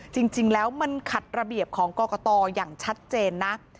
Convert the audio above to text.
จริงแล้วมันขัดระเบียบของกรกตอย่างชัดเจนนะ